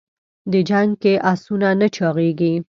د جنګ کې اسونه نه چاغېږي.